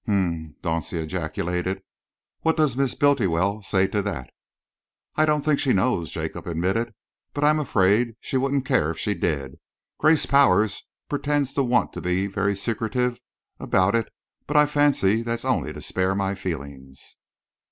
"Hm!" Dauncey ejaculated. "What does Miss Bultiwell say to that?" "I don't think she knows," Jacob admitted, "but I am afraid she wouldn't care if she did. Grace Powers pretends to want to be very secretive about it, but I fancy that's only to spare my feelings."